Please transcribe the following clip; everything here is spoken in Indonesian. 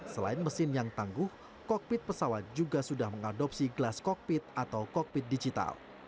selain mesin yang tangguh kokpit pesawat juga sudah mengadopsi glass kokpit atau kokpit digital